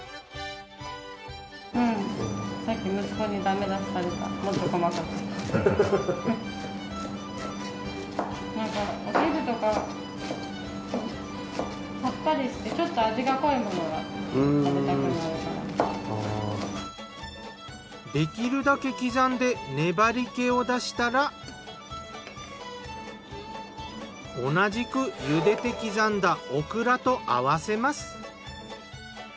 うんさっきなんかできるだけ刻んで粘りけを出したら同じくゆでて刻んだオクラと合わせます。